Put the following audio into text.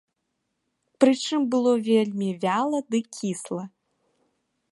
Прычым было вельмі вяла ды кісла.